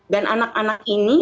dan anak anak ini